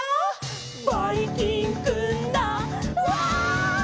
「ばいきんくんだうわァー！」